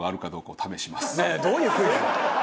どういうクイズ？